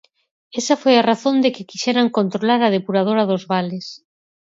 Esa foi a razón de que quixeran controlar a depuradora dos Vales.